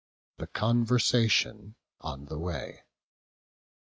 Their conversation on the way.